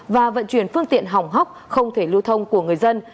và vận chuyển phương tiện hỏng hóc không thể lưu thông của người dân